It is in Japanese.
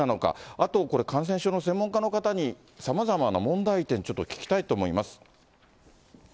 あとこれ、感染症の専門家の方に、さまざまな問題点、ちょっと聞きたいと思います。